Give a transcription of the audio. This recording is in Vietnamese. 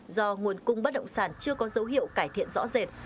do nguồn cung bất động sản chưa có dấu hiệu cải thiện rõ rệt